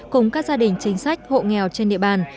cùng các gia đình chính sách hộ nghèo trên địa bàn